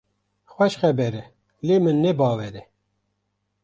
Xweş xeber e, lê min ne bawer e.